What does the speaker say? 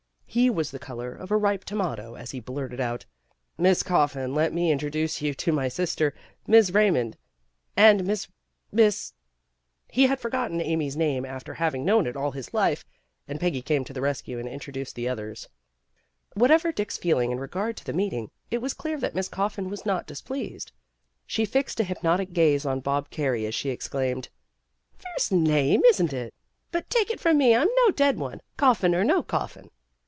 He was the color of a ripe tomato as he blurted out, "Miss Coffin, let me introduce you to my sister Miss Raymond and Miss Miss He had forgotten Amy's name after having known it all his life, and Peggy came to the rescue, and introduced the others. 220 PEGGY RAYMOND'S WAY Whatever Dick's feeling in regard to the meeting, it was clear that Miss Coffin was not displeased. She fixed a hypnotic gaze on Bob Carey as she exclaimed, '* Fierce name, isn 't it ! But take it from me, I 'm no dead one, Coffin or no coffin.